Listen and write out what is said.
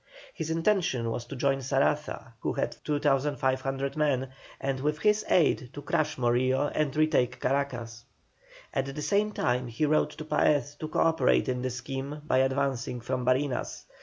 His intention was to join Saraza, who had 2,500 men, and with his aid to crush Morillo and retake Caracas. At the same time he wrote to Paez to co operate in the scheme by advancing from Barinas.